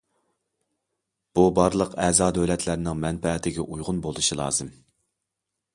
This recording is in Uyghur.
بۇ بارلىق ئەزا دۆلەتلەرنىڭ مەنپەئەتىگە ئۇيغۇن بولۇشى لازىم.